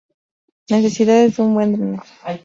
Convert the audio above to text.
Necesidades de un buen drenaje.